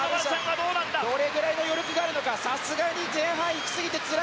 どれくらいの余力があるのか。